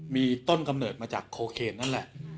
มีต้นกำเนิดมาจากโคเคนนั่นแหละ